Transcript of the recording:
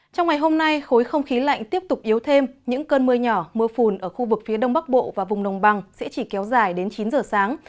trong ngày hôm nay khối không khí lạnh tiếp tục yếu thêm những cơn mưa nhỏ mưa phùn ở khu vực phía đông bắc bộ và vùng đồng bằng sẽ chỉ kéo dài đến chín giờ sáng